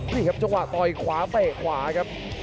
นี่ครับจังหวะต่อยขวาเตะขวาครับ